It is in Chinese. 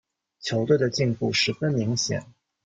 球队的进步十分明显。